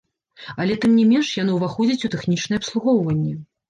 Але, тым не менш, яно ўваходзіць у тэхнічнае абслугоўванне!